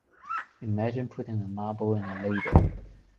Imagine putting a marble in a ladle.